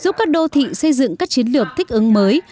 giúp các đô thị xây dựng các chiến lược thích ứng mới